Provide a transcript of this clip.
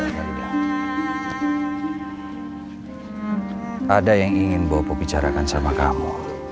farida ada yang ingin bopo bicarakan sama kamu